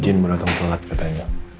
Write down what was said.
ijin menonton pelat katanya